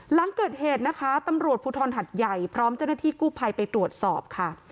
หลังเกิดเหตุนะคะตำรวจภูทรหัดใหญ่พร้อมเจ้าหน้าที่กู้ภัยไปตรวจสอบค่ะ